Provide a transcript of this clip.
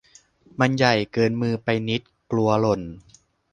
มันใหญ่เกินมือไปนิด กลัวหล่น